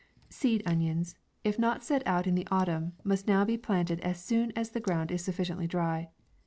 SEED ONIONS, if not set out in the autumn, must now be planted as soon as the ground is sufficiently dry.